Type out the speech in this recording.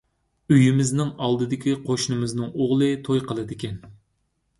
ئۆيىمىزنىڭ ئالدىدىكى قوشنىمىزنىڭ ئوغلى توي قىلىدىكەن.